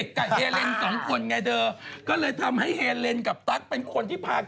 กับเฮเลนสองคนไงเธอก็เลยทำให้เฮเลนกับตั๊กเป็นคนที่พา